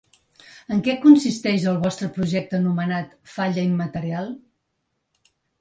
En què consisteix el vostre projecte anomenat «Falla Immaterial»?